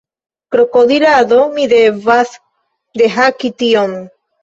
Krokodilado, mi devas dehaki tion!